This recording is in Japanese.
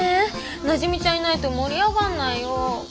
なじみちゃんいないと盛り上がんないよ。